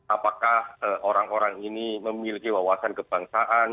apakah orang orang ini memiliki wawasan kebangsaan